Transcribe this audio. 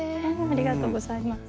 ありがとうございます。